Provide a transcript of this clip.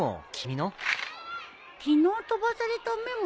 昨日飛ばされたメモ？